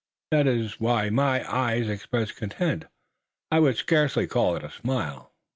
That is why my eyes expressed content I would scarcely call it a smile."